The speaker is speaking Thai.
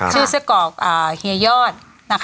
ชื่อซะกรอกเฮียอร์ด